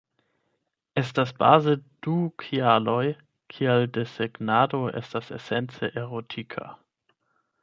Estas baze du kialoj, kial desegnado estas esence erotika.